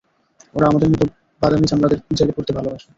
ওরা আমাদের মতো বাদামি চামড়াদের জেলে পুরতে ভালোবাসে।